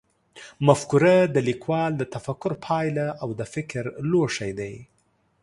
مفکوره د لیکوال د تفکر پایله او د فکر لوښی دی.